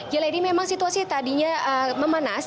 ya lady memang situasi tadinya memanas